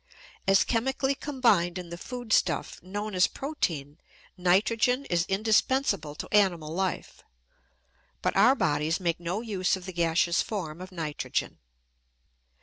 As chemically combined in the food stuff known as protein, nitrogen is indispensable to animal life; but our bodies make no use of the gaseous form of nitrogen.